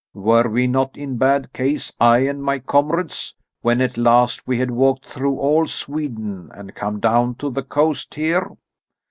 Were we not in bad case, I and my comrades, when at last we had walked through all Sweden and come down to the coast here?